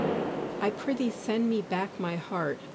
I PR'YTHEE SEND ME BACK MY HEART.